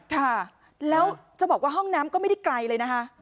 ค่ะแล้วจะบอกว่าห้องน้ำก็ไม่ได้ไกลเลยนะคะ